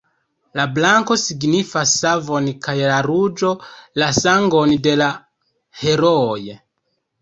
La blanko signifas savon kaj la ruĝo la sangon de la herooj.